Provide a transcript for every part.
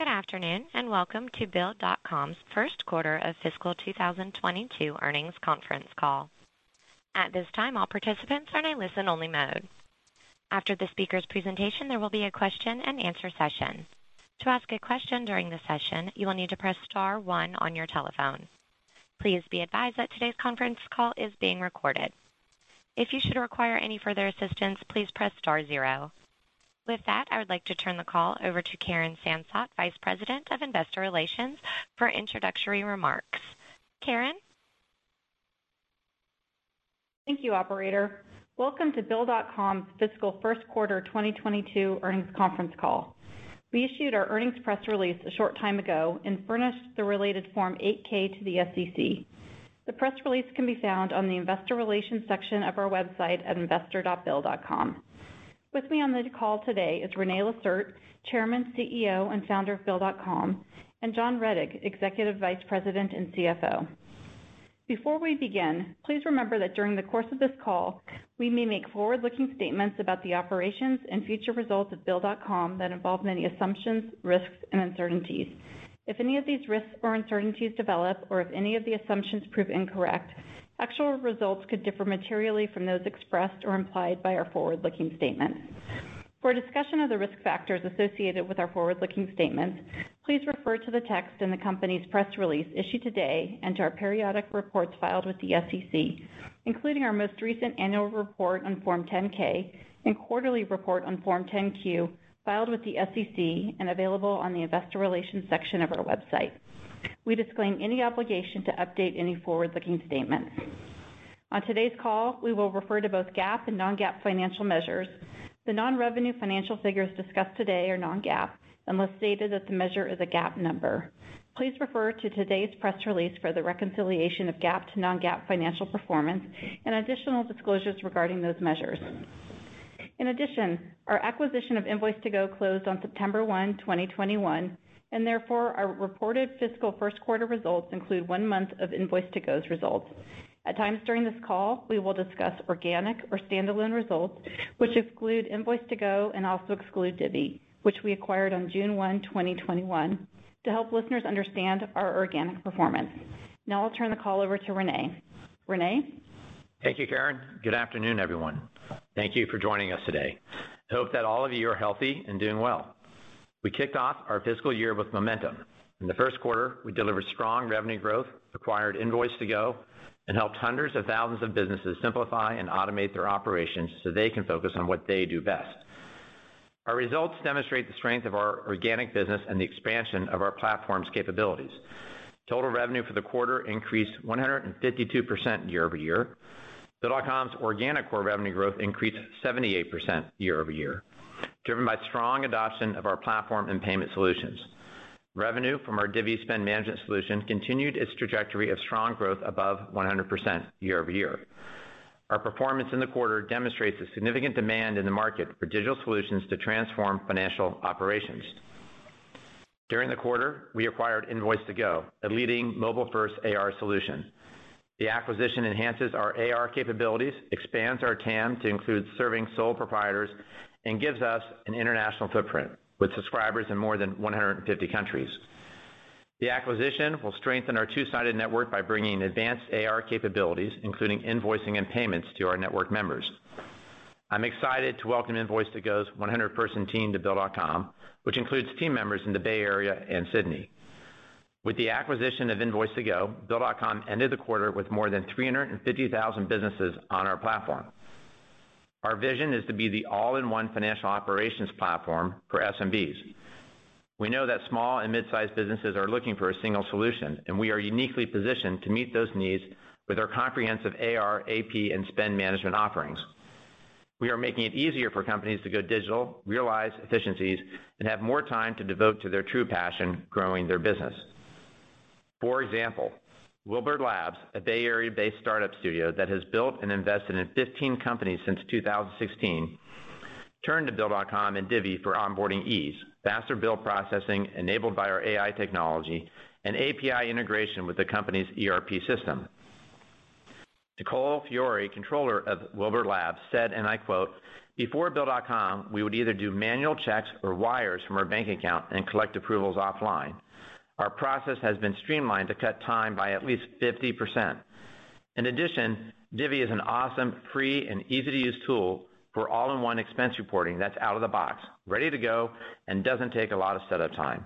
Good afternoon, and welcome to Bill.com's Q1 of Fiscal 2022 Earnings Conference Call. At this time, all participants are in a listen-only mode. After the speaker's presentation, there will be a question and answer session. To ask a question during the session, you will need to press star one on your telephone. Please be advised that today's conference call is being recorded. If you should require any further assistance, please press star zero. With that, I would like to turn the call over to Karen Sansot, Vice President of Investor Relations, for introductory remarks. Karen? Thank you, operator. Welcome to Bill.com's fiscal Q1 2022 earnings conference call. We issued our earnings press release a short time ago and furnished the related Form 8-K to the SEC. The press release can be found on the investor relations section of our website at investor.bill.com. With me on the call today is René Lacerte, Chairman, CEO, and Founder of Bill.com, and John Rettig, Executive Vice President and CFO. Before we begin, please remember that during the course of this call, we may make forward-looking statements about the operations and future results of Bill.com that involve many assumptions, risks, and uncertainties. If any of these risks or uncertainties develop, or if any of the assumptions prove incorrect, actual results could differ materially from those expressed or implied by our forward-looking statement. For a discussion of the risk factors associated with our forward-looking statements, please refer to the text in the company's press release issued today and to our periodic reports filed with the SEC, including our most recent annual report on Form 10-K and quarterly report on Form 10-Q filed with the SEC and available on the investor relations section of our website. We disclaim any obligation to update any forward-looking statement. On today's call, we will refer to both GAAP and non-GAAP financial measures. The non-revenue financial figures discussed today are non-GAAP, unless stated that the measure is a GAAP number. Please refer to today's press release for the reconciliation of GAAP to non-GAAP financial performance and additional disclosures regarding those measures. In addition, our acquisition of Invoice2go closed on September 1, 2021, and therefore our reported fiscal Q1 results include one month of Invoice2go's results. At times during this call, we will discuss organic or standalone results, which exclude Invoice2go and also exclude Divvy, which we acquired on June 1, 2021, to help listeners understand our organic performance. Now I'll turn the call over to René. René? Thank you, Karen. Good afternoon, everyone. Thank you for joining us today. Hope that all of you are healthy and doing well. We kicked off our fiscal year with momentum. In the Q1, we delivered strong revenue growth, acquired Invoice2go, and helped hundreds of thousands of businesses simplify and automate their operations so they can focus on what they do best. Our results demonstrate the strength of our organic business and the expansion of our platform's capabilities. Total revenue for the quarter increased 152% year-over-year. Bill.com's organic core revenue growth increased 78% year-over-year, driven by strong adoption of our platform and payment solutions. Revenue from our Divvy spend management solution continued its trajectory of strong growth above 100% year-over-year. Our performance in the quarter demonstrates the significant demand in the market for digital solutions to transform financial operations. During the quarter, we acquired Invoice2go, a leading mobile-first AR solution. The acquisition enhances our AR capabilities, expands our TAM to include serving sole proprietors, and gives us an international footprint, with subscribers in more than 150 countries. The acquisition will strengthen our two-sided network by bringing advanced AR capabilities, including invoicing and payments, to our network members. I'm excited to welcome Invoice2go's 100-person team to Bill.com, which includes team members in the Bay Area and Sydney. With the acquisition of Invoice2go, Bill.com ended the quarter with more than 350,000 businesses on our platform. Our vision is to be the all-in-one financial operations platform for SMBs. We know that small and mid-sized businesses are looking for a single solution, and we are uniquely positioned to meet those needs with our comprehensive AR, AP, and spend management offerings. We are making it easier for companies to go digital, realize efficiencies, and have more time to devote to their true passion, growing their business. For example, Wilbur Labs, a Bay Area-based startup studio that has built and invested in 15 companies since 2016, turned to Bill.com and Divvy for onboarding ease, faster bill processing enabled by our AI technology, and API integration with the company's ERP system. Nicole Fiore, Controller of Wilbur Labs, said, and I quote, before Bill.com, we would either do manual checks or wires from our bank account and collect approvals offline. Our process has been streamlined to cut time by at least 50%. In addition, Divvy is an awesome, free, and easy-to-use tool for all-in-one expense reporting that's out of the box, ready to go, and doesn't take a lot of setup time.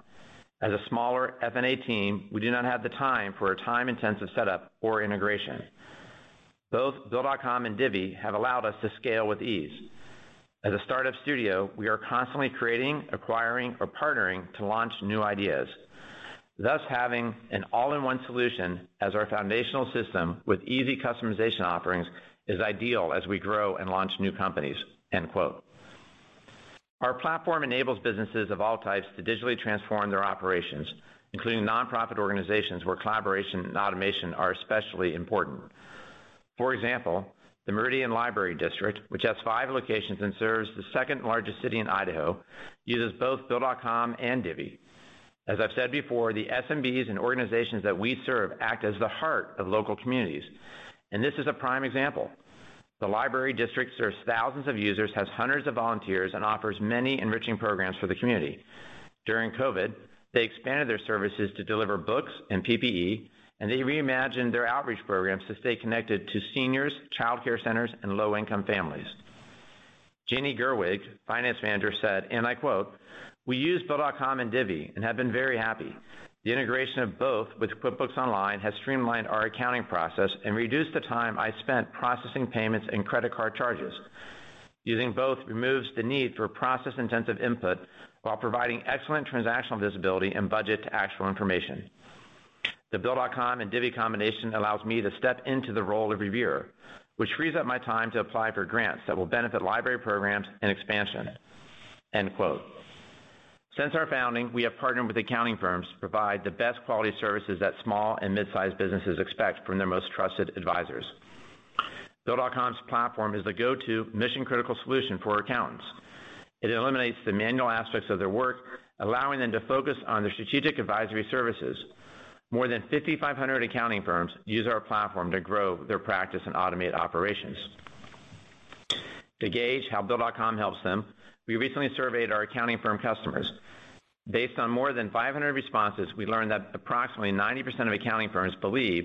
As a smaller F&A team, we do not have the time for a time-intensive setup or integration. Both Bill.com and Divvy have allowed us to scale with ease. As a startup studio, we are constantly creating, acquiring, or partnering to launch new ideas. Thus, having an all-in-one solution as our foundational system with easy customization offerings is ideal as we grow and launch new companies. End quote. Our platform enables businesses of all types to digitally transform their operations, including nonprofit organizations where collaboration and automation are especially important. For example, the Meridian Library District, which has five locations and serves the second-largest city in Idaho, uses both Bill.com and Divvy. As I've said before, the SMBs and organizations that we serve act as the heart of local communities, and this is a prime example. The library district serves thousands of users, has hundreds of volunteers, and offers many enriching programs for the community. During COVID, they expanded their services to deliver books and PPE, and they reimagined their outreach programs to stay connected to seniors, childcare centers, and low-income families. Janie Gerwig, Finance Manager said, and I quote. We use Bill.com and Divvy and have been very happy. The integration of both with QuickBooks Online has streamlined our accounting process and reduced the time I spent processing payments and credit card charges. Using both removes the need for process-intensive input while providing excellent transactional visibility and budget to actual information. The Bill.com and Divvy combination allows me to step into the role of reviewer, which frees up my time to apply for grants that will benefit library programs and expansion. End quote. Since our founding, we have partnered with accounting firms to provide the best quality services that small and mid-sized businesses expect from their most trusted advisors. Bill.com's platform is the go-to mission-critical solution for accountants. It eliminates the manual aspects of their work, allowing them to focus on their strategic advisory services. More than 5,500 accounting firms use our platform to grow their practice and automate operations. To gauge how Bill.com helps them, we recently surveyed our accounting firm customers. Based on more than 500 responses, we learned that approximately 90% of accounting firms believe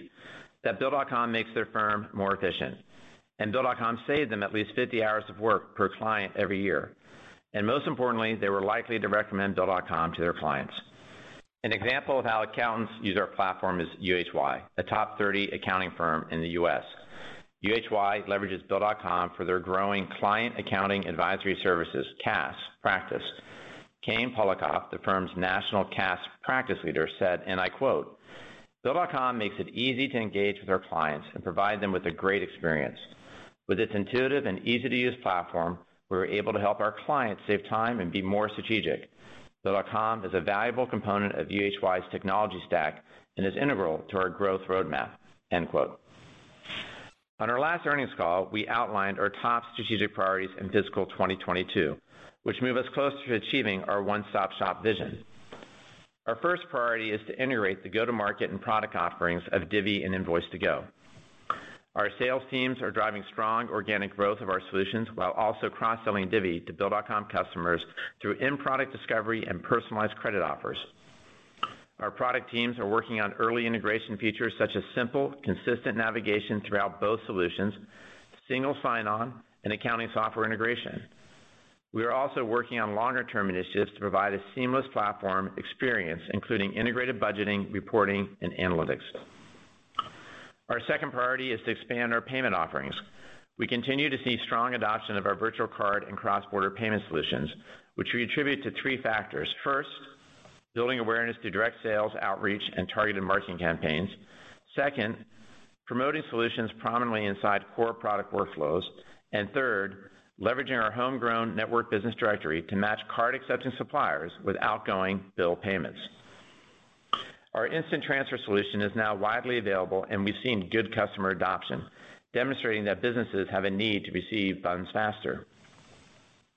that Bill.com makes their firm more efficient, and Bill.com saved them at least 50 hours of work per client every year. Most importantly, they were likely to recommend Bill.com to their clients. An example of how accountants use our platform is UHY, a top 30 accounting firm in the U.S. UHY leverages Bill.com for their growing client accounting advisory services, CAAS practice. Kane Polakoff, the firm's national CAAS practice leader said, and I quote, Bill.com makes it easy to engage with our clients and provide them with a great experience. With its intuitive and easy-to-use platform, we're able to help our clients save time and be more strategic. Bill.com is a valuable component of UHY's technology stack and is integral to our growth roadmap. End quote. On our last earnings call, we outlined our top strategic priorities in fiscal 2022, which move us closer to achieving our one-stop-shop vision. Our first priority is to integrate the go-to-market and product offerings of Divvy and Invoice2go. Our sales teams are driving strong organic growth of our solutions while also cross-selling Divvy to Bill.com customers through in-product discovery and personalized credit offers. Our product teams are working on early integration features such as simple, consistent navigation throughout both solutions, single sign-on, and accounting software integration. We are also working on longer term initiatives to provide a seamless platform experience, including integrated budgeting, reporting, and analytics. Our second priority is to expand our payment offerings. We continue to see strong adoption of our virtual card and cross-border payment solutions, which we attribute to three factors. First, building awareness through direct sales, outreach, and targeted marketing campaigns. Second, promoting solutions prominently inside core product workflows. Third, leveraging our homegrown network business directory to match card acceptance suppliers with outgoing bill payments. Our instant transfer solution is now widely available, and we've seen good customer adoption, demonstrating that businesses have a need to receive funds faster.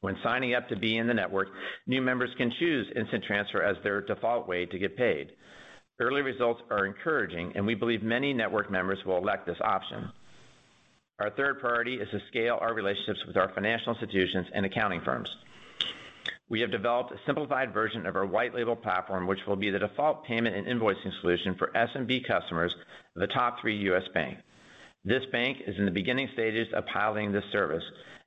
When signing up to be in the network, new members can choose instant transfer as their default way to get paid. Early results are encouraging, and we believe many network members will elect this option. Our third priority is to scale our relationships with our financial institutions and accounting firms. We have developed a simplified version of our white label platform, which will be the default payment and invoicing solution for SMB customers of the top three U.S. bank. This bank is in the beginning stages of piloting this service,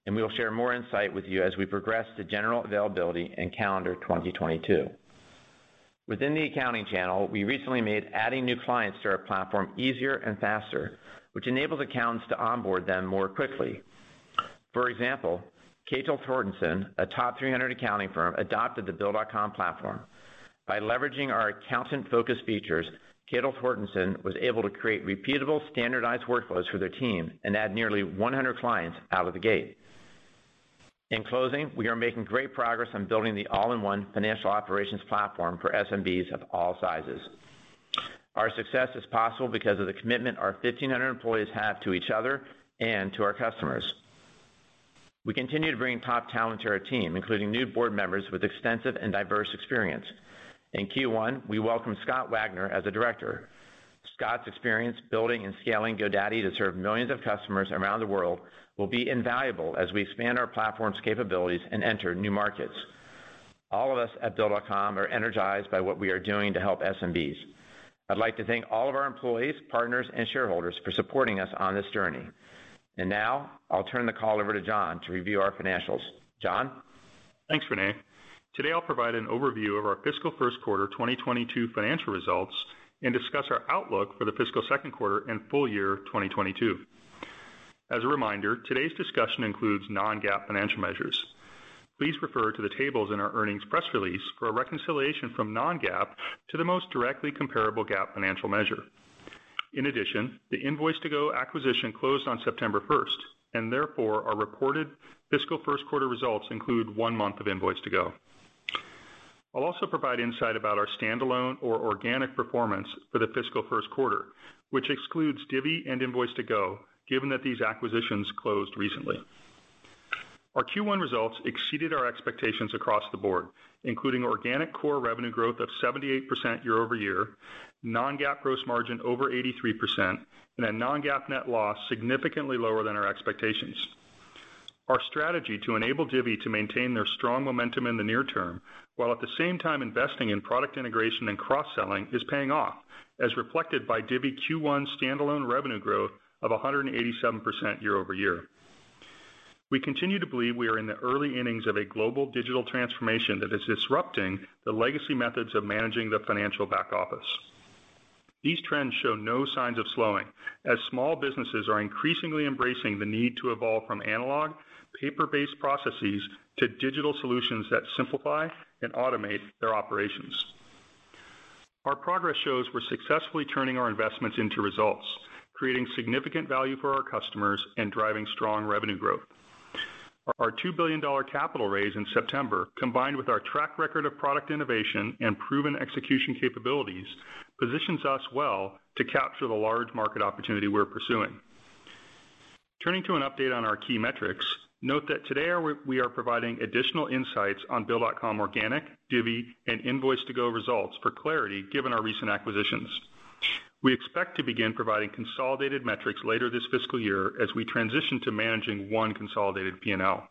and we will share more insight with you as we progress to general availability in calendar 2022. Within the accounting channel, we recently made adding new clients to our platform easier and faster, which enables accountants to onboard them more quickly. For example, Ketel Thorstenson, a top 300 accounting firm, adopted the Bill.com platform. By leveraging our accountant-focused features, Ketel Thorstenson was able to create repeatable, standardized workflows for their team and add nearly 100 clients out of the gate. In closing, we are making great progress on building the all-in-one financial operations platform for SMBs of all sizes. Our success is possible because of the commitment our 1,500 employees have to each other and to our customers. We continue to bring top talent to our team, including new board members with extensive and diverse experience. In Q1, we welcome Scott Wagner as a director. Scott's experience building and scaling GoDaddy to serve millions of customers around the world will be invaluable as we expand our platform's capabilities and enter new markets. All of us at Bill.com are energized by what we are doing to help SMBs. I'd like to thank all of our employees, partners, and shareholders for supporting us on this journey. Now I'll turn the call over to John to review our financials. John? Thanks, René. Today, I'll provide an overview of our fiscal Q1 2022 financial results and discuss our outlook for the fiscal Q2 and full year 2022. As a reminder, today's discussion includes non-GAAP financial measures. Please refer to the tables in our earnings press release for a reconciliation from non-GAAP to the most directly comparable GAAP financial measure. In addition, the Invoice2go acquisition closed on September 1st, and therefore, our reported fiscal Q1 results include one month of Invoice2go. I'll also provide insight about our standalone or organic performance for the fiscal Q1, which excludes Divvy and Invoice2go, given that these acquisitions closed recently. Our Q1 results exceeded our expectations across the board, including organic core revenue growth of 78% year-over-year, non-GAAP gross margin over 83%, and a non-GAAP net loss significantly lower than our expectations. Our strategy to enable Divvy to maintain their strong momentum in the near term, while at the same time investing in product integration and cross-selling, is paying off, as reflected by Divvy Q1 standalone revenue growth of 187% year-over-year. We continue to believe we are in the early innings of a global digital transformation that is disrupting the legacy methods of managing the financial back office. These trends show no signs of slowing, as small businesses are increasingly embracing the need to evolve from analog, paper-based processes to digital solutions that simplify and automate their operations. Our progress shows we're successfully turning our investments into results, creating significant value for our customers and driving strong revenue growth. Our $2 billion capital raise in September, combined with our track record of product innovation and proven execution capabilities, positions us well to capture the large market opportunity we're pursuing. Turning to an update on our key metrics, note that today we are providing additional insights on Bill.com organic, Divvy, and Invoice2go results for clarity given our recent acquisitions. We expect to begin providing consolidated metrics later this fiscal year as we transition to managing one consolidated P&L.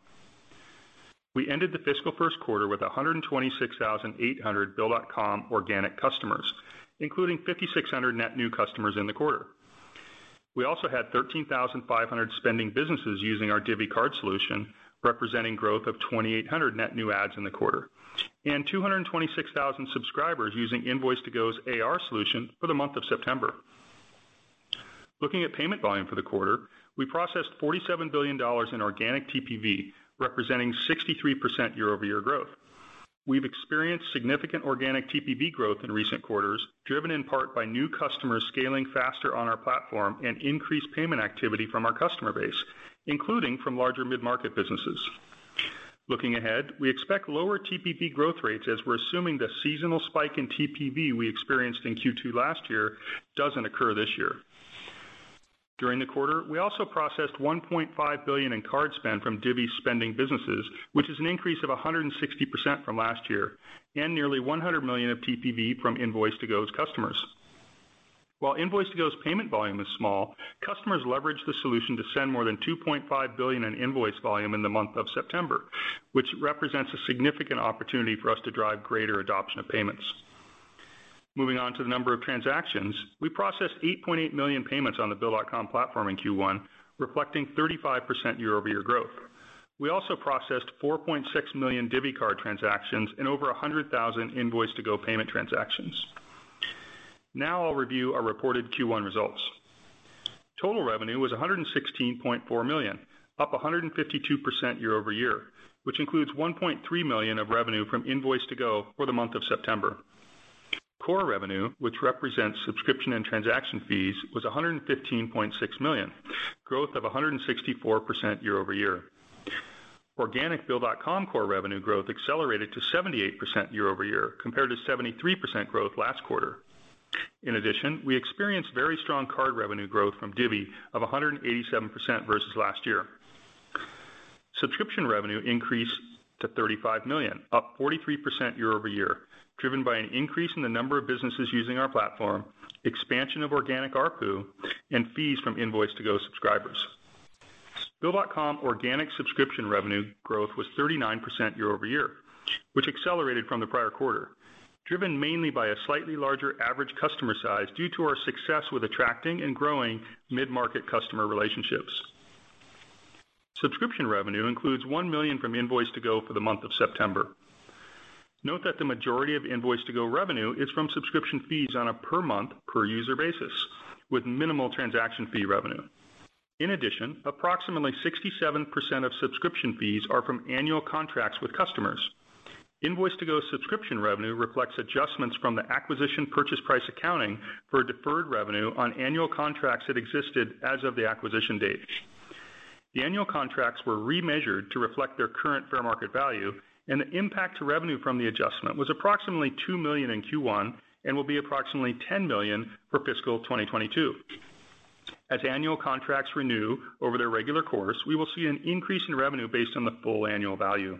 We ended the fiscal Q1 with 126,800 Bill.com organic customers, including 5,600 net new customers in the quarter. We also had 13,500 spending businesses using our Divvy card solution, representing growth of 2,800 net new adds in the quarter, and 226,000 subscribers using Invoice2go's AR solution for the month of September. Looking at payment volume for the quarter, we processed $47 billion in organic TPV, representing 63% year-over-year growth. We've experienced significant organic TPV growth in recent quarters, driven in part by new customers scaling faster on our platform and increased payment activity from our customer base, including from larger mid-market businesses. Looking ahead, we expect lower TPV growth rates as we're assuming the seasonal spike in TPV we experienced in Q2 last year doesn't occur this year. During the quarter, we also processed $1.5 billion in card spend from Divvy spending businesses, which is an increase of 160% from last year, and nearly $100 million of TPV from Invoice2go's customers. While Invoice2go's payment volume is small, customers leverage the solution to send more than $2.5 billion in invoice volume in the month of September, which represents a significant opportunity for us to drive greater adoption of payments. Moving on to the number of transactions, we processed 8.8 million payments on the Bill.com platform in Q1, reflecting 35% year-over-year growth. We also processed 4.6 million Divvy card transactions and over 100,000 Invoice2go payment transactions. Now I'll review our reported Q1 results. Total revenue was $116.4 million, up 152% year-over-year, which includes $1.3 million of revenue from Invoice2go for the month of September. Core revenue, which represents subscription and transaction fees, was $115.6 million, growth of 164% year-over-year. Organic Bill.com core revenue growth accelerated to 78% year-over-year, compared to 73% growth last quarter. In addition, we experienced very strong card revenue growth from Divvy of 187% versus last year. Subscription revenue increased to $35 million, up 43% year-over-year, driven by an increase in the number of businesses using our platform, expansion of organic ARPU, and fees from Invoice2go subscribers. Bill.com organic subscription revenue growth was 39% year-over-year, which accelerated from the prior quarter, driven mainly by a slightly larger average customer size due to our success with attracting and growing mid-market customer relationships. Subscription revenue includes $1 million from Invoice2go for the month of September. Note that the majority of Invoice2go revenue is from subscription fees on a per month, per user basis, with minimal transaction fee revenue. In addition, approximately 67% of subscription fees are from annual contracts with customers. Invoice2go subscription revenue reflects adjustments from the acquisition purchase price accounting for deferred revenue on annual contracts that existed as of the acquisition date. The annual contracts were remeasured to reflect their current fair market value, and the impact to revenue from the adjustment was approximately $2 million in Q1 and will be approximately $10 million for fiscal 2022. As annual contracts renew over their regular course, we will see an increase in revenue based on the full annual value.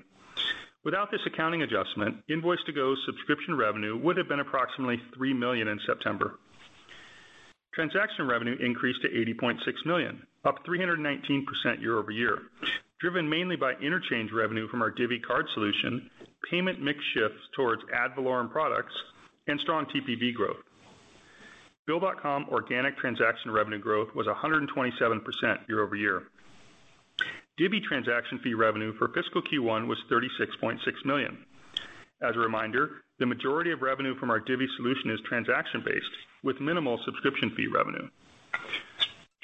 Without this accounting adjustment, Invoice2go subscription revenue would have been approximately $3 million in September. Transaction revenue increased to $80.6 million, up 319% year-over-year, driven mainly by interchange revenue from our Divvy card solution, payment mix shifts towards ad valorem products, and strong TPV growth. Bill.com organic transaction revenue growth was 127% year-over-year. Divvy transaction fee revenue for fiscal Q1 was $36.6 million. As a reminder, the majority of revenue from our Divvy solution is transaction-based, with minimal subscription fee revenue.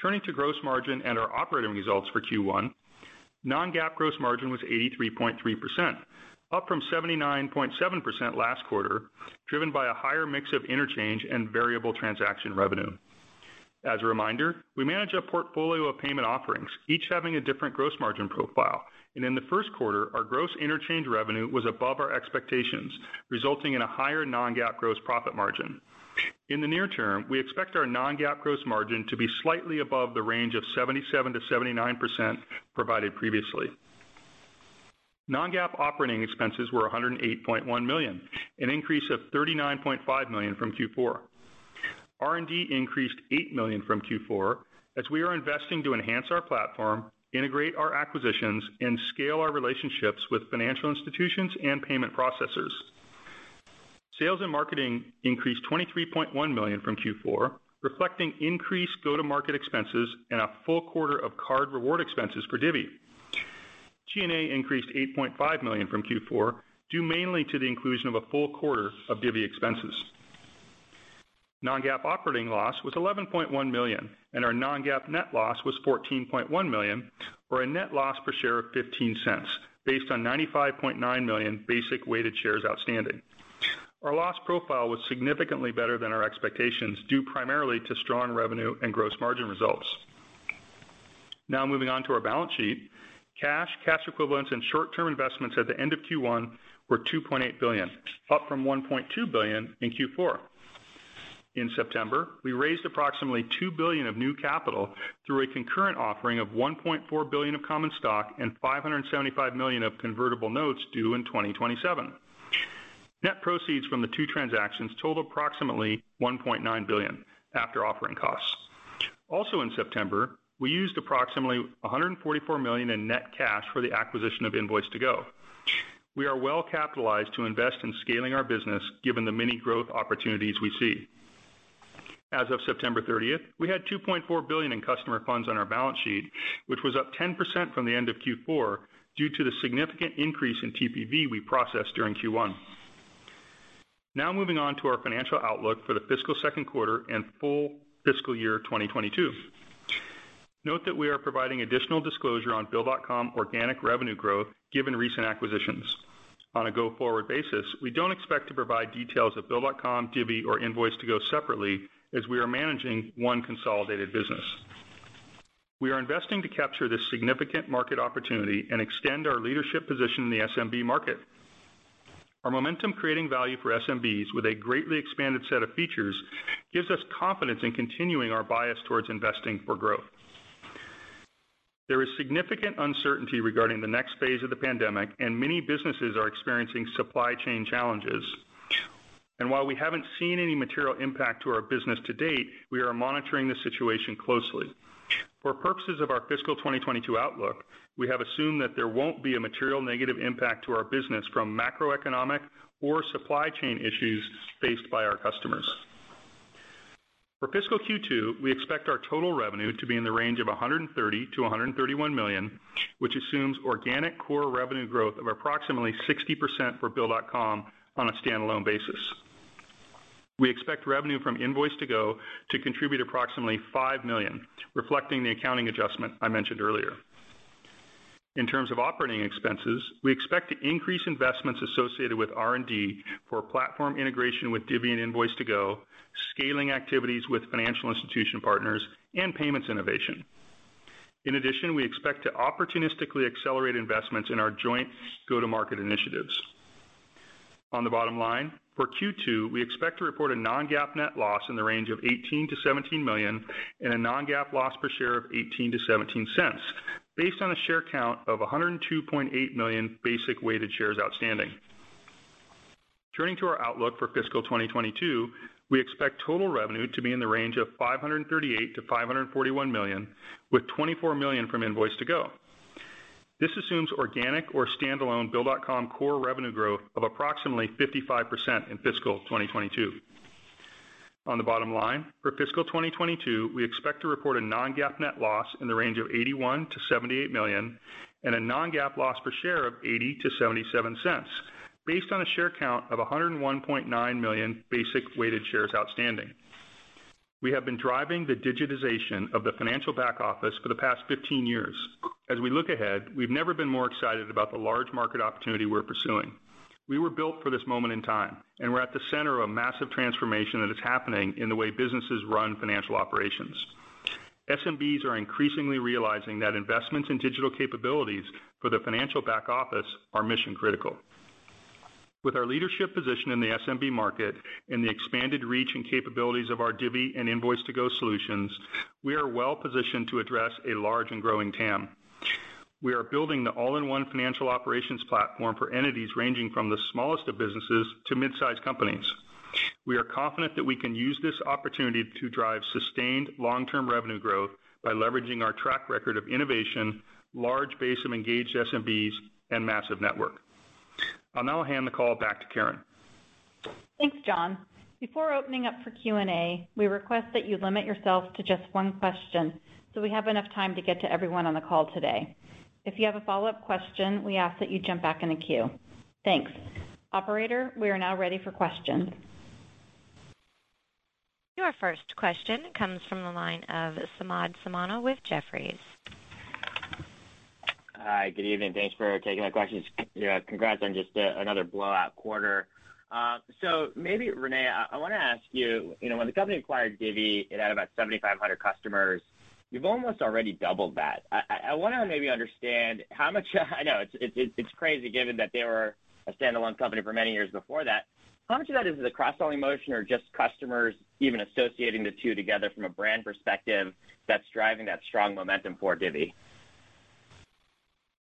Turning to gross margin and our operating results for Q1, non-GAAP gross margin was 83.3%, up from 79.7% last quarter, driven by a higher mix of interchange and variable transaction revenue. As a reminder, we manage a portfolio of payment offerings, each having a different gross margin profile, and in the Q1, our gross interchange revenue was above our expectations, resulting in a higher non-GAAP gross profit margin. In the near term, we expect our non-GAAP gross margin to be slightly above the range of 77%-79% provided previously. non-GAAP operating expenses were $108.1 million, an increase of $39.5 million from Q4. R&D increased $8 million from Q4, as we are investing to enhance our platform, integrate our acquisitions, and scale our relationships with financial institutions and payment processors. Sales and marketing increased $23.1 million from Q4, reflecting increased go-to-market expenses and a full quarter of card reward expenses for Divvy. G&A increased $8.5 million from Q4, due mainly to the inclusion of a full quarter of Divvy expenses. non-GAAP operating loss was $11.1 million, and our non-GAAP net loss was $14.1 million, or a net loss per share of $0.15, based on 95.9 million basic weighted shares outstanding. Our loss profile was significantly better than our expectations, due primarily to strong revenue and gross margin results. Now moving on to our balance sheet. Cash, cash equivalents and short-term investments at the end of Q1 were $2.8 billion, up from $1.2 billion in Q4. In September, we raised approximately $2 billion of new capital through a concurrent offering of $1.4 billion of common stock and $575 million of convertible notes due in 2027. Net proceeds from the two transactions totaled approximately $1.9 billion after offering costs. Also in September, we used approximately $144 million in net cash for the acquisition of Invoice2go. We are well capitalized to invest in scaling our business given the many growth opportunities we see. As of September 30, we had $2.4 billion in customer funds on our balance sheet, which was up 10% from the end of Q4 due to the significant increase in TPV we processed during Q1. Now moving on to our financial outlook for the fiscal Q2 and full fiscal year 2022. Note that we are providing additional disclosure on Bill.com organic revenue growth given recent acquisitions. On a go-forward basis, we don't expect to provide details of Bill.com, Divvy, or Invoice2go separately, as we are managing one consolidated business. We are investing to capture this significant market opportunity and extend our leadership position in the SMB market. Our momentum creating value for SMBs with a greatly expanded set of features gives us confidence in continuing our bias towards investing for growth. There is significant uncertainty regarding the next phase of the pandemic, and many businesses are experiencing supply chain challenges. While we haven't seen any material impact to our business to date, we are monitoring the situation closely. For purposes of our fiscal 2022 outlook, we have assumed that there won't be a material negative impact to our business from macroeconomic or supply chain issues faced by our customers. For fiscal Q2, we expect our total revenue to be in the range of $130 million-$131 million, which assumes organic core revenue growth of approximately 60% for Bill.com on a standalone basis. We expect revenue from Invoice2go to contribute approximately $5 million, reflecting the accounting adjustment I mentioned earlier. In terms of operating expenses, we expect to increase investments associated with R&D for platform integration with Divvy and Invoice2go, scaling activities with financial institution partners, and payments innovation. In addition, we expect to opportunistically accelerate investments in our joint go-to-market initiatives. On the bottom line, for Q2, we expect to report a non-GAAP net loss in the range of $18 million-$17 million and a non-GAAP loss per share of $0.18-$0.17, based on a share count of 102.8 million basic weighted shares outstanding. Turning to our outlook for fiscal 2022, we expect total revenue to be in the range of $538 million-$541 million, with $24 million from Invoice2go. This assumes organic or standalone Bill.com core revenue growth of approximately 55% in fiscal 2022. On the bottom line, for fiscal 2022, we expect to report a non-GAAP net loss in the range of $81 million-$78 million and a non-GAAP loss per share of $0.80-$0.77, based on a share count of 101.9 million basic weighted shares outstanding. We have been driving the digitization of the financial back office for the past 15 years. As we look ahead, we've never been more excited about the large market opportunity we're pursuing. We were built for this moment in time, and we're at the center of a massive transformation that is happening in the way businesses run financial operations. SMBs are increasingly realizing that investments in digital capabilities for the financial back office are mission critical. With our leadership position in the SMB market and the expanded reach and capabilities of our Divvy and Invoice2go solutions, we are well positioned to address a large and growing TAM. We are building the all-in-one financial operations platform for entities ranging from the smallest of businesses to mid-size companies. We are confident that we can use this opportunity to drive sustained long-term revenue growth by leveraging our track record of innovation, large base of engaged SMBs, and massive network. I'll now hand the call back to Karen. Thanks, John. Before opening up for Q&A, we request that you limit yourself to just one question so we have enough time to get to everyone on the call today. If you have a follow-up question, we ask that you jump back in the queue. Thanks. Operator, we are now ready for questions. Your first question comes from the line of Samad Samana with Jefferies. Hi, good evening. Thanks for taking my questions. Congrats on just another blowout quarter. Maybe René, I wanna ask you know, when the company acquired Divvy, it had about 7,500 customers. You've almost already doubled that. I wanna maybe understand how much I know it's crazy given that they were a standalone company for many years before that. How much of that is the cross-selling motion or just customers even associating the two together from a brand perspective that's driving that strong momentum for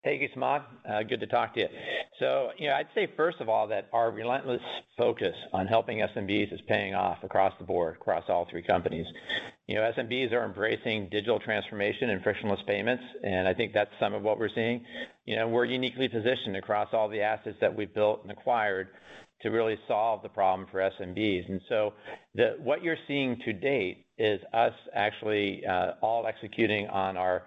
Divvy? Hey, Samad. Good to talk to you. You know, I'd say first of all, that our relentless focus on helping SMBs is paying off across the board, across all three companies. You know, SMBs are embracing digital transformation and frictionless payments, and I think that's some of what we're seeing. You know, we're uniquely positioned across all the assets that we've built and acquired to really solve the problem for SMBs. What you're seeing to date is us actually all executing on our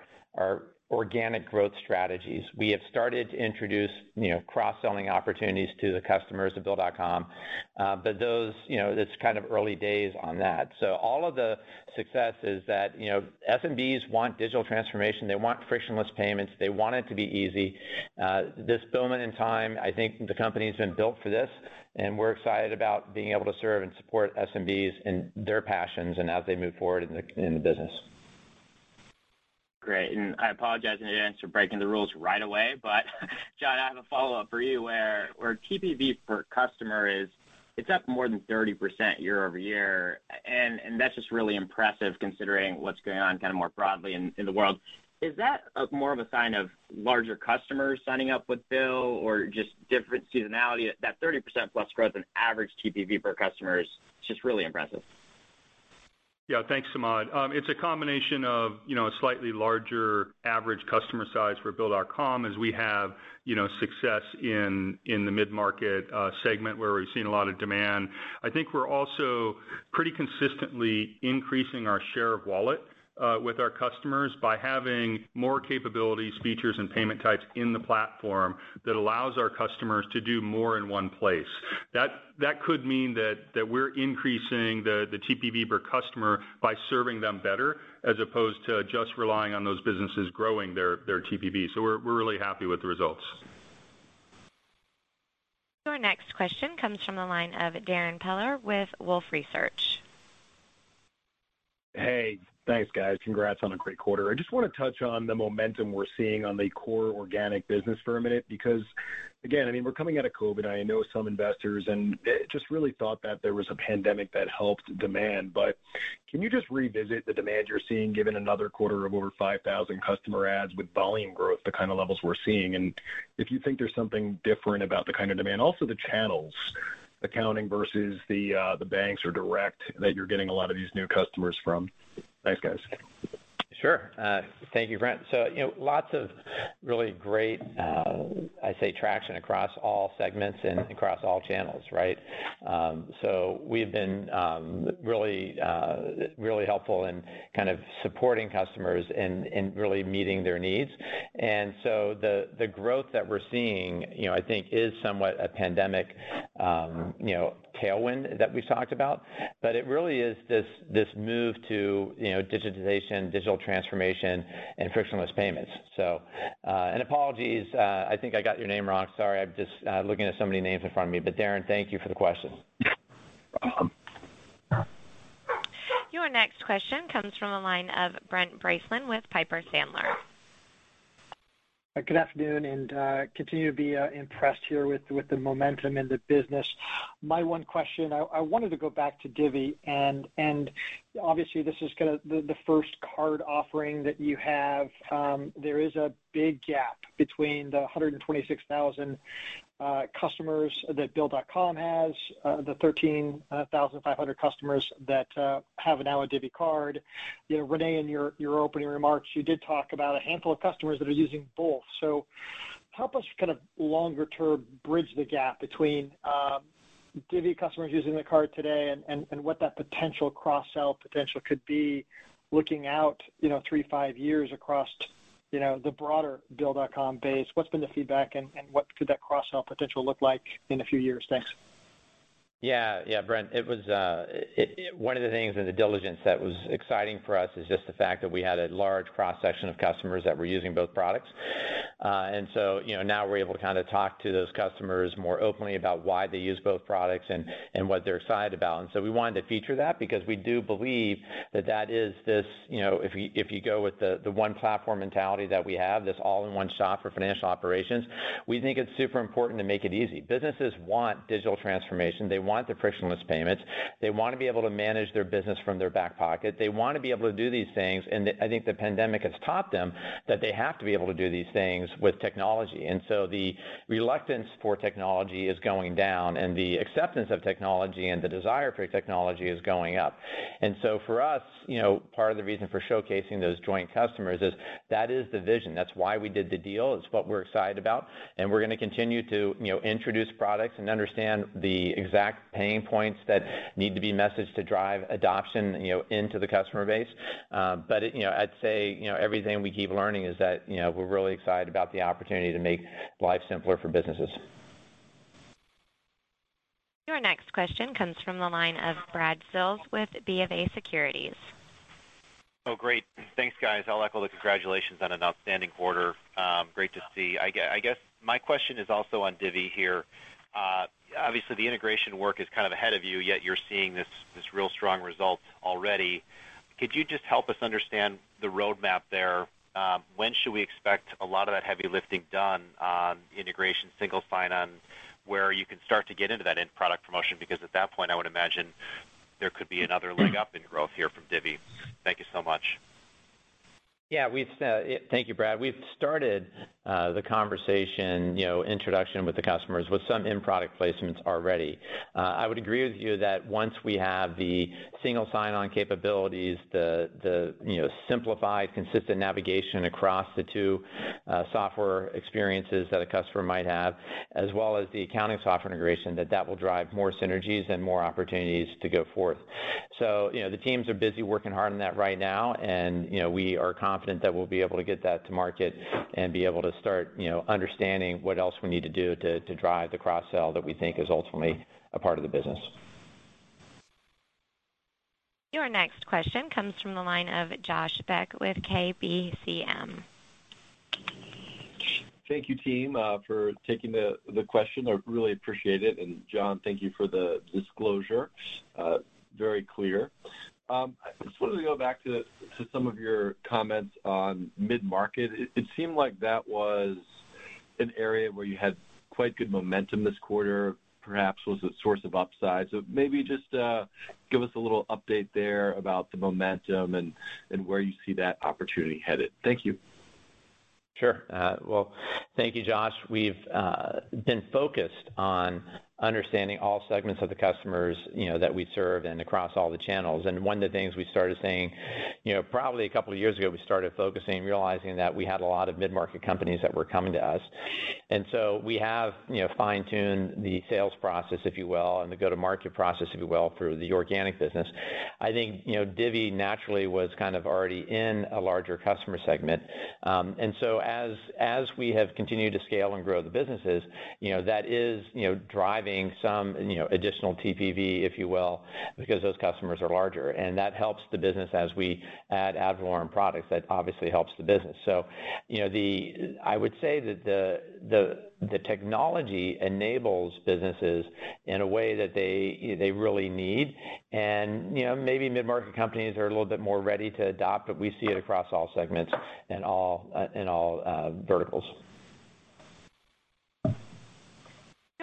organic growth strategies. We have started to introduce, you know, cross-selling opportunities to the customers of Bill.com. But those, you know, it's kind of early days on that. All of the success is that, you know, SMBs want digital transformation, they want frictionless payments. They want it to be easy. This moment in time, I think the company's been built for this, and we're excited about being able to serve and support SMBs and their passions and as they move forward in the business. Great. I apologize in advance for breaking the rules right away. John, I have a follow-up for you where TPV per customer is, it's up more than 30% year-over-year. And that's just really impressive considering what's going on kind of more broadly in the world. Is that more of a sign of larger customers signing up with Bill or just different seasonality? That 30%+ growth in average TPV per customer is just really impressive. Yeah. Thanks, Samad. It's a combination of, you know, a slightly larger average customer size for Bill.com as we have, you know, success in the mid-market segment where we've seen a lot of demand. I think we're also pretty consistently increasing our share of wallet with our customers by having more capabilities, features, and payment types in the platform that allows our customers to do more in one place. That could mean that we're increasing the TPV per customer by serving them better as opposed to just relying on those businesses growing their TPV. We're really happy with the results. Our next question comes from the line of Darrin Peller with Wolfe Research. Hey, thanks, guys. Congrats on a great quarter. I just wanna touch on the momentum we're seeing on the core organic business for a minute because again, I mean, we're coming out of COVID. I know some investors and just really thought that there was a pandemic that helped demand. Can you just revisit the demand you're seeing given another quarter of over 5,000 customer adds with volume growth, the kind of levels we're seeing, and if you think there's something different about the kind of demand? Also, the channels, accounting versus the banks or direct that you're getting a lot of these new customers from. Thanks, guys. Sure. Thank you, Darrin Peller. You know, lots of really great, I'd say traction across all segments and across all channels, right? We've been really helpful in kind of supporting customers and really meeting their needs. The growth that we're seeing, you know, I think is somewhat a pandemic tailwind that we've talked about. It really is this move to, you know, digitization, digital transformation, and frictionless payments. Apologies, I think I got your name wrong. Sorry. I'm just looking at so many names in front of me. Darrin, thank you for the question. Your next question comes from the line of Brent Bracelin with Piper Sandler. Good afternoon, continue to be impressed here with the momentum in the business. My one question, I wanted to go back to Divvy, and obviously this is kinda the first card offering that you have. There is a big gap between the 126,000 customers that Bill.com has, the 13,500 customers that have now a Divvy card. You know, René, in your opening remarks, you did talk about a handful of customers that are using both. Help us kind of longer term bridge the gap between Divvy customers using the card today and what that potential cross-sell potential could be looking out, you know, three to five years across the broader Bill.com base. What's been the feedback and what could that cross-sell potential look like in a few years? Thanks. Yeah, yeah, Brent, it was. One of the things in the diligence that was exciting for us is just the fact that we had a large cross-section of customers that were using both products. Now we're able to kinda talk to those customers more openly about why they use both products and what they're excited about. We wanted to feature that because we do believe that that is this, you know, if you go with the one platform mentality that we have, this all-in-one-shop for financial operations, we think it's super important to make it easy. Businesses want digital transformation. They want the frictionless payments. They wanna be able to manage their business from their back pocket. They wanna be able to do these things, and I think the pandemic has taught them that they have to be able to do these things with technology. The reluctance for technology is going down, and the acceptance of technology and the desire for technology is going up. For us, you know, part of the reason for showcasing those joint customers is that is the vision. That's why we did the deal. It's what we're excited about, and we're gonna continue to, you know, introduce products and understand the exact pain points that need to be messaged to drive adoption, you know, into the customer base. You know, I'd say, you know, everything we keep learning is that, you know, we're really excited about the opportunity to make life simpler for businesses. Your next question comes from the line of Brad Sills with BofA Securities. Oh, great. Thanks, guys. I'll echo the congratulations on an outstanding quarter. Great to see. I guess my question is also on Divvy here. Obviously the integration work is kind of ahead of you, yet you're seeing this real strong result already. Could you just help us understand the roadmap there? When should we expect a lot of that heavy lifting done on integration, single sign-on, where you can start to get into that end product promotion? Because at that point, I would imagine there could be another leg up in growth here from Divvy. Thank you so much. Thank you, Brad. We've started the conversation, you know, introduction with the customers with some end product placements already. I would agree with you that once we have the single sign-on capabilities, the, you know, simplified, consistent navigation across the two software experiences that a customer might have, as well as the accounting software integration, that will drive more synergies and more opportunities to go forth. You know, the teams are busy working hard on that right now and, you know, we are confident that we'll be able to get that to market and be able to start, you know, understanding what else we need to do to drive the cross-sell that we think is ultimately a part of the business. Your next question comes from the line of Josh Beck with KBCM. Thank you, team, for taking the question. I really appreciate it. John, thank you for the disclosure. Very clear. I just wanted to go back to some of your comments on mid-market. It seemed like that was an area where you had quite good momentum this quarter, perhaps was a source of upside. Maybe just give us a little update there about the momentum and where you see that opportunity headed. Thank you. Sure. Well, thank you, Josh. We've been focused on understanding all segments of the customers, you know, that we serve and across all the channels. One of the things we started saying, you know, probably a couple of years ago, we started focusing, realizing that we had a lot of mid-market companies that were coming to us. We have, you know, fine-tuned the sales process, if you will, and the go-to-market process, if you will, through the organic business. I think, you know, Divvy naturally was kind of already in a larger customer segment. As we have continued to scale and grow the businesses, you know, that is, you know, driving some, you know, additional TPV, if you will, because those customers are larger, and that helps the business as we add ad valorem products, that obviously helps the business. You know, I would say that the technology enables businesses in a way that they really need. You know, maybe mid-market companies are a little bit more ready to adopt, but we see it across all segments and all verticals.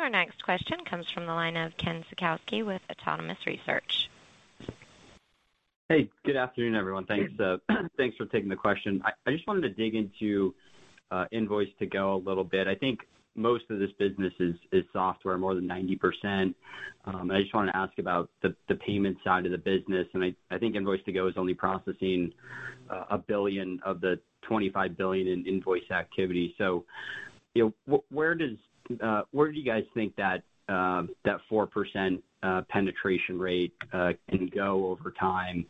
Our next question comes from the line of Ken Suchoski with Autonomous Research. Hey, good afternoon, everyone. Thanks for taking the question. I just wanted to dig into Invoice2go a little bit. I think most of this business is software, more than 90%. I just wanna ask about the payment side of the business, and I think Invoice2go is only processing $1 billion of the $25 billion in invoice activity. You know, where do you guys think that 4% penetration rate can go over time?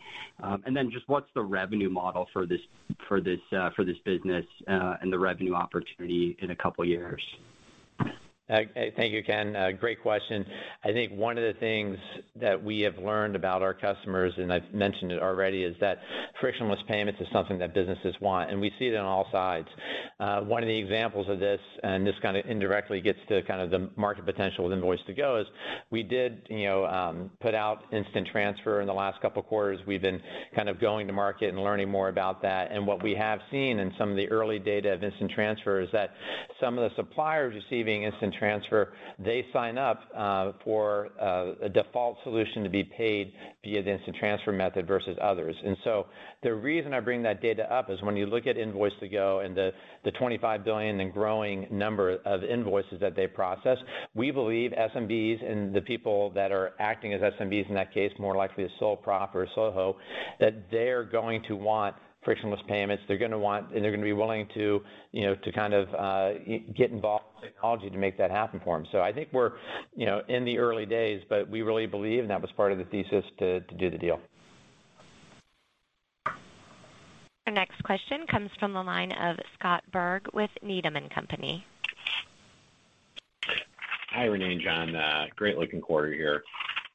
Then just what's the revenue model for this business, and the revenue opportunity in a couple years? Thank you, Ken. Great question. I think one of the things that we have learned about our customers, and I've mentioned it already, is that frictionless payments is something that businesses want, and we see it on all sides. One of the examples of this, and this kinda indirectly gets to kind of the market potential with Invoice2go, is we did, you know, put out instant transfer in the last couple quarters. We've been kind of going to market and learning more about that. What we have seen in some of the early data of instant transfer is that some of the suppliers receiving instant transfer, they sign up for a default solution to be paid via the instant transfer method versus others. The reason I bring that data up is when you look at Invoice2go and the 25 billion and growing number of invoices that they process, we believe SMBs and the people that are acting as SMBs in that case, more likely a sole prop or SOHO, that they're going to want frictionless payments. They're gonna want, and they're gonna be willing to, you know, to kind of get involved with technology to make that happen for them. I think we're, you know, in the early days, but we really believe, and that was part of the thesis, to do the deal. Our next question comes from the line of Scott Berg with Needham & Company. Hi, René and John. Great looking quarter here.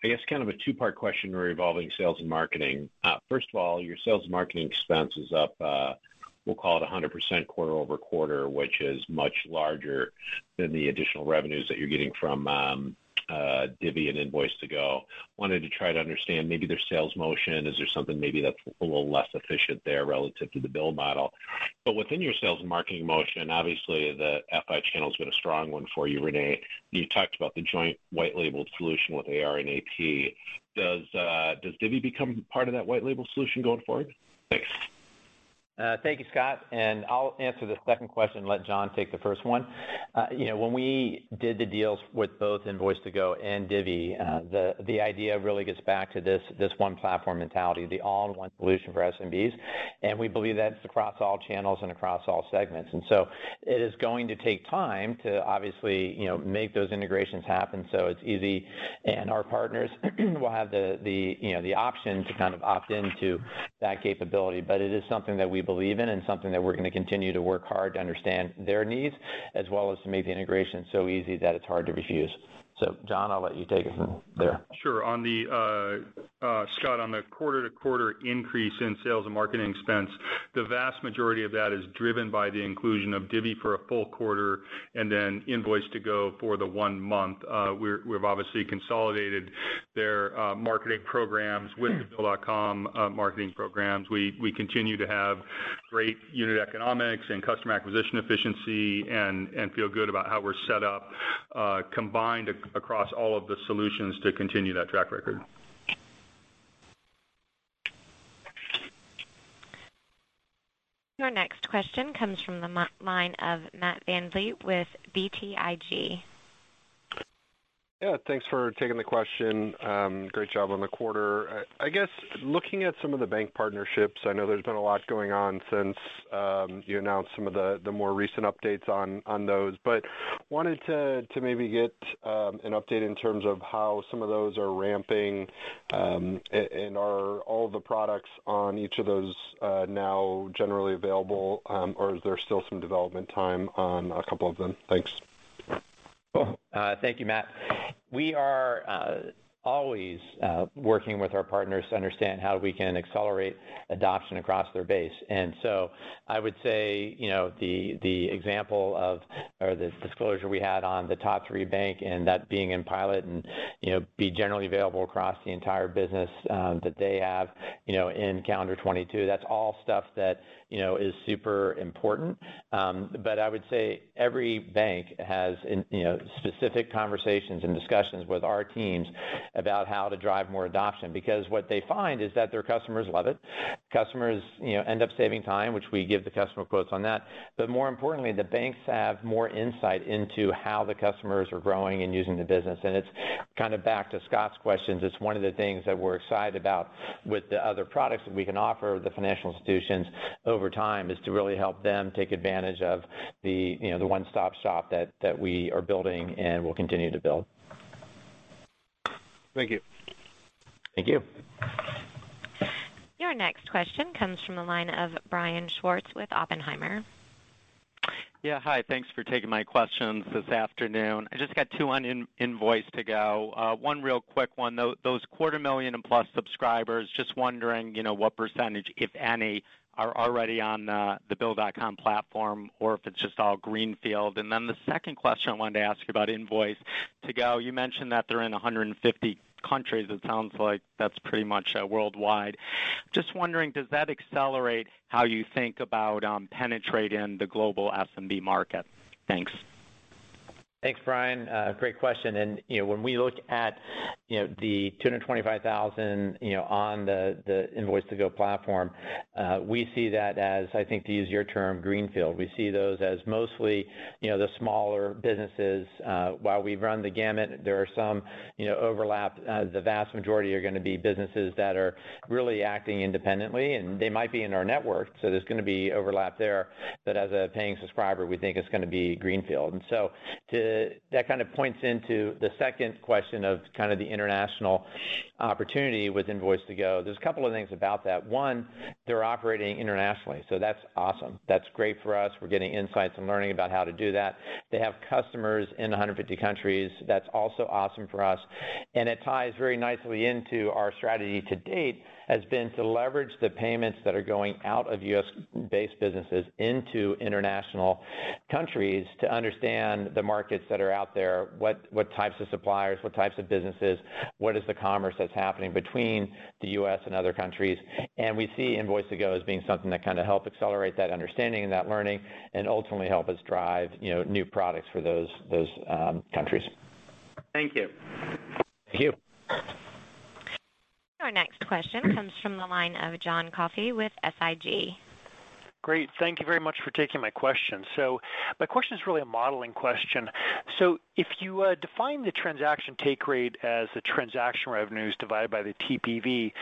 I guess kind of a two-part question revolving sales and marketing. First of all, your sales marketing expense is up, we'll call it 100% quarter-over-quarter, which is much larger than the additional revenues that you're getting from Divvy and Invoice2go. Wanted to try to understand maybe their sales motion. Is there something maybe that's a little less efficient there relative to the BILL model? Within your sales and marketing motion, obviously the FI channel's been a strong one for you, Rene. You talked about the joint white label solution with AR and AP. Does Divvy become part of that white label solution going forward? Thanks. Thank you, Scott, and I'll answer the second question and let John take the first one. You know, when we did the deals with both Invoice2go and Divvy, the idea really gets back to this one platform mentality, the all-in-one solution for SMBs. We believe that's across all channels and across all segments. It is going to take time to obviously, you know, make those integrations happen so it's easy and our partners will have the option to kind of opt into that capability. It is something that we believe in and something that we're gonna continue to work hard to understand their needs, as well as to make the integration so easy that it's hard to refuse. John, I'll let you take it from there. Sure. Scott, on the quarter-to-quarter increase in sales and marketing expense, the vast majority of that is driven by the inclusion of Divvy for a full quarter and then Invoice2go for the one month. We've obviously consolidated their marketing programs with the Bill.com marketing programs. We continue to have great unit economics and customer acquisition efficiency and feel good about how we're set up, combined across all of the solutions to continue that track record. Your next question comes from the line of Matt VanVliet with BTIG. Yeah, thanks for taking the question. Great job on the quarter. I guess looking at some of the bank partnerships, I know there's been a lot going on since you announced some of the more recent updates on those. Wanted to maybe get an update in terms of how some of those are ramping. Are all the products on each of those now generally available, or is there still some development time on a couple of them? Thanks. Well, thank you, Matt. We are always working with our partners to understand how we can accelerate adoption across their base. I would say, you know, the example of, or the disclosure we had on the top three bank and that being in pilot and, you know, being generally available across the entire business that they have, you know, in calendar 2022, that's all stuff that, you know, is super important. I would say every bank has, you know, specific conversations and discussions with our teams about how to drive more adoption, because what they find is that their customers love it. Customers, you know, end up saving time, which we give the customer quotes on that. More importantly, the banks have more insight into how the customers are growing and using the business. It's kind of back to Scott's questions. It's one of the things that we're excited about with the other products that we can offer the financial institutions over time, is to really help them take advantage of the, you know, the one-stop shop that we are building and will continue to build. Thank you. Thank you. Your next question comes from the line of Brian Schwartz with Oppenheimer. Yeah, hi. Thanks for taking my questions this afternoon. I just got two on Invoice2go. One real quick one, those 250,000+ subscribers, just wondering, you know, what percentage, if any, are already on the Bill.com platform, or if it's just all greenfield. Then the second question I wanted to ask you about Invoice2go, you mentioned that they're in 150 countries. It sounds like that's pretty much worldwide. Just wondering, does that accelerate how you think about penetrating the global SMB market? Thanks. Thanks, Brian. Great question. You know, when we look at the 225,000, you know, on the Invoice2go platform, we see that as I think, to use your term, greenfield. We see those as mostly, you know, the smaller businesses. While we run the gamut, there are some, you know, overlap. The vast majority are gonna be businesses that are really acting independently, and they might be in our network, so there's gonna be overlap there. As a paying subscriber, we think it's gonna be greenfield. That kind of points into the second question of kind of the international opportunity with Invoice2go. There's a couple of things about that. One, they're operating internationally, so that's awesome. That's great for us. We're getting insights and learning about how to do that. They have customers in 150 countries. That's also awesome for us, and it ties very nicely into our strategy to date has been to leverage the payments that are going out of U.S.-based businesses into international countries to understand the markets that are out there, what types of suppliers, what types of businesses, what is the commerce that's happening between the U.S. and other countries. We see Invoice2go as being something to kind of help accelerate that understanding and that learning and ultimately help us drive, you know, new products for those countries. Thank you. Thank you. Our next question comes from the line of John Coffey with SIG. Great. Thank you very much for taking my question. My question is really a modeling question. If you define the transaction take rate as the transaction revenues divided by the TPV,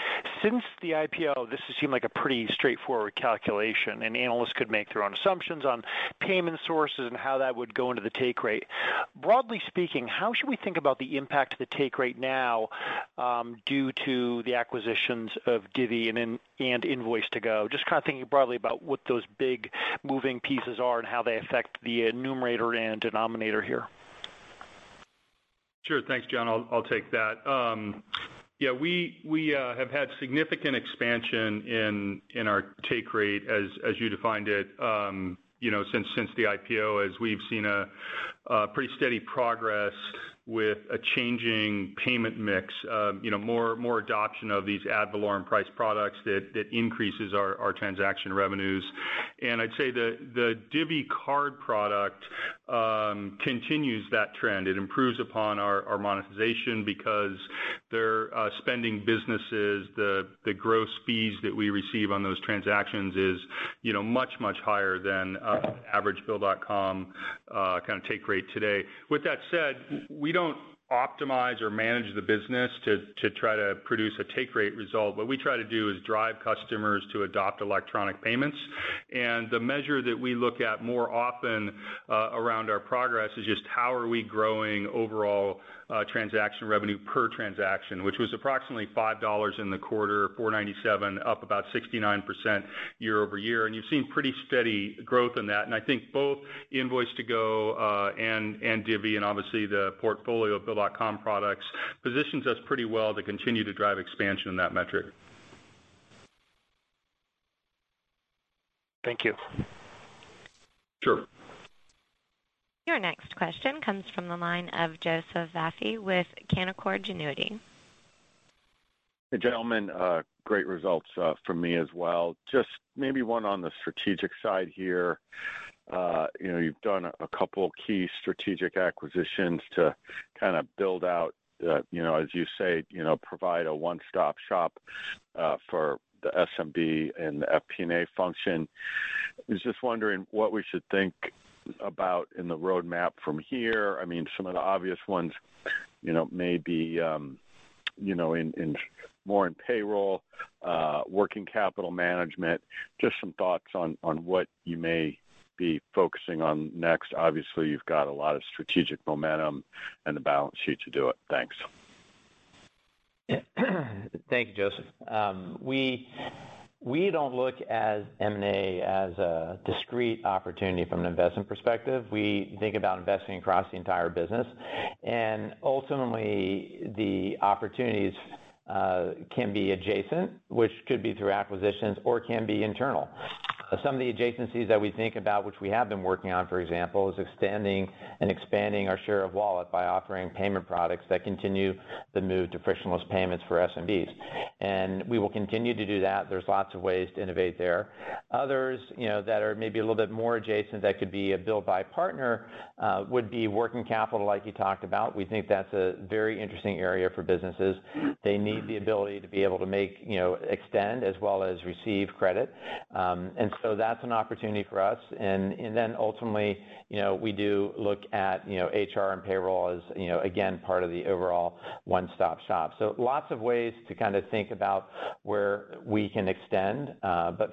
since the IPO, this has seemed like a pretty straightforward calculation, and analysts could make their own assumptions on payment sources and how that would go into the take rate. Broadly speaking, how should we think about the impact of the take rate now, due to the acquisitions of Divvy and Invoice2go? Just kind of thinking broadly about what those big moving pieces are and how they affect the numerator and denominator here. Sure. Thanks, John. I'll take that. Yeah, we have had significant expansion in our take rate as you defined it, you know, since the IPO, as we've seen a pretty steady progress with a changing payment mix. You know, more adoption of these ad valorem price products that increases our transaction revenues. I'd say the Divvy card product continues that trend. It improves upon our monetization because they're spending businesses. The gross fees that we receive on those transactions is, you know, much higher than average Bill.com kind of take rate today. With that said, we don't optimize or manage the business to try to produce a take rate result. What we try to do is drive customers to adopt electronic payments. The measure that we look at more often, around our progress is just how are we growing overall, transaction revenue per transaction, which was approximately $5 in the quarter, $4.97, up about 69% year-over-year. You've seen pretty steady growth in that. I think both Invoice2go and Divvy and obviously the portfolio of Bill.com products positions us pretty well to continue to drive expansion in that metric. Thank you. Sure. Your next question comes from the line of Joseph Vafi with Canaccord Genuity. Hey, gentlemen, great results from me as well. Just maybe one on the strategic side here. You know, you've done a couple key strategic acquisitions to kinda build out, you know, as you say, you know, provide a one-stop shop for the SMB and the FP&A function. I was just wondering what we should think about in the roadmap from here. I mean, some of the obvious ones, you know, maybe, you know, in more payroll, working capital management. Just some thoughts on what you may be focusing on next. Obviously, you've got a lot of strategic momentum and the balance sheet to do it. Thanks. Thank you, Joseph. We don't look at M&A as a discrete opportunity from an investment perspective. We think about investing across the entire business. Ultimately, the opportunities can be adjacent, which could be through acquisitions or can be internal. Some of the adjacencies that we think about, which we have been working on, for example, is extending and expanding our share of wallet by offering payment products that continue the move to frictionless payments for SMBs. We will continue to do that. There's lots of ways to innovate there. Others that are maybe a little bit more adjacent that could be a build by partner would be working capital like you talked about. We think that's a very interesting area for businesses. They need the ability to be able to make extend as well as receive credit. That's an opportunity for us. Ultimately, you know, we do look at, you know, HR and payroll as, you know, again, part of the overall one-stop shop. Lots of ways to kinda think about where we can extend.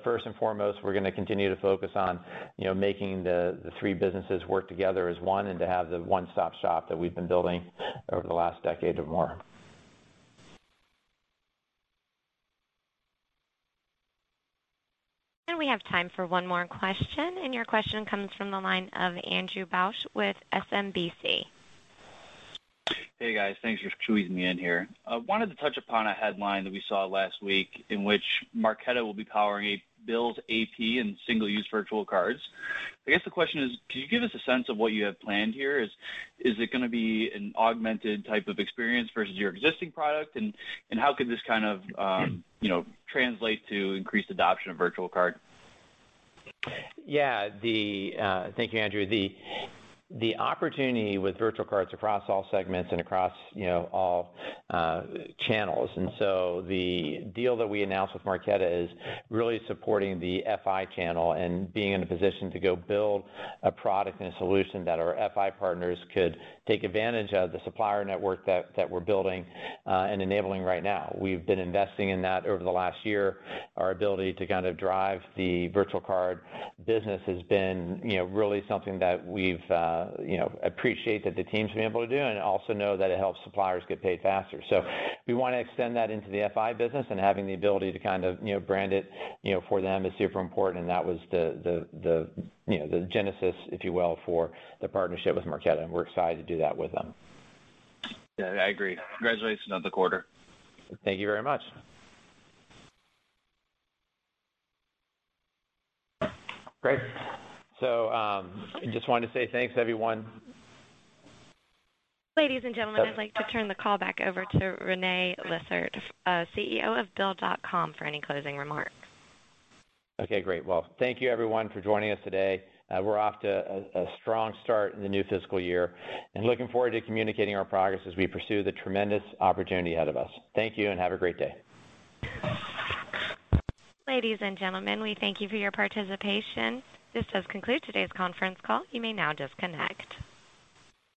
First and foremost, we're gonna continue to focus on, you know, making the three businesses work together as one and to have the one-stop shop that we've been building over the last decade or more. We have time for one more question, and your question comes from the line of Andrew Bauch with SMBC. Hey, guys. Thanks for squeezing me in here. I wanted to touch upon a headline that we saw last week in which Marqeta will be powering a BILL's AP and single-use virtual cards. I guess the question is, can you give us a sense of what you have planned here? Is it gonna be an augmented type of experience versus your existing product? How could this kind of, you know, translate to increased adoption of virtual card? Thank you, Andrew. The opportunity with virtual cards across all segments and across, you know, all channels. The deal that we announced with Marqeta is really supporting the FI channel and being in a position to go build a product and a solution that our FI partners could take advantage of the supplier network that we're building and enabling right now. We've been investing in that over the last year. Our ability to kind of drive the virtual card business has been, you know, really something that we've, you know, appreciate that the teams have been able to do and also know that it helps suppliers get paid faster. We wanna extend that into the FI business and having the ability to kind of, you know, brand it, you know, for them is super important, and that was the, you know, the genesis, if you will, for the partnership with Marqeta, and we're excited to do that with them. Yeah, I agree. Congratulations on the quarter. Thank you very much. Great. Just wanted to say thanks to everyone. Ladies and gentlemen, I'd like to turn the call back over to René Lacerte, CEO of Bill.com, for any closing remarks. Okay, great. Well, thank you everyone for joining us today. We're off to a strong start in the new fiscal year and looking forward to communicating our progress as we pursue the tremendous opportunity ahead of us. Thank you, and have a great day. Ladies and gentlemen, we thank you for your participation. This does conclude today's conference call. You may now disconnect.